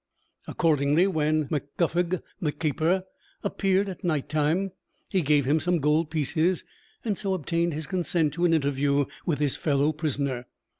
Accordingly, when Mac Guffog, the keeper, appeared at night time, he gave him some gold pieces, and so obtained his consent to an interview with his fellow prisoner.